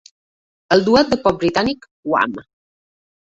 El duet de pop britànic Wham!